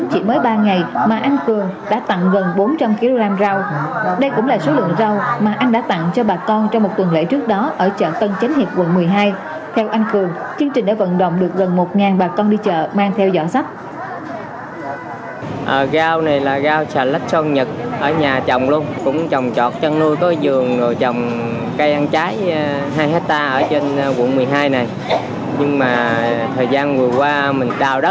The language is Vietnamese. hôm nay là ngày thứ ba hoạt động tặng rau của anh nguyễn trí cường diễn ra